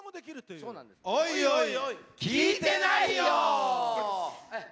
おいおい、聞いてないよォ！